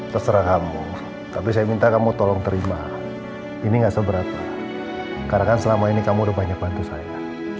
terserah kamu tapi saya minta kamu tolong terima ini gak seberapa karena kan selama ini kamu udah banyak bantu saya